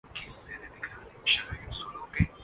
یہ کوٹہ ہرطرح سے امتیازی ہے۔